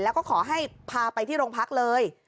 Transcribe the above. แล้วก็ขอให้พาไปที่โรงพักเลย